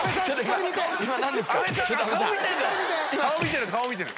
顔見てる顔見てる。